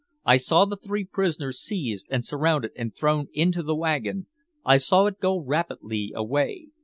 I saw the three prisoners seized and surrounded and thrown into the wagon. I saw it go rapidly away.